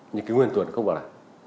những cái nguyên tuyển không bảo đảm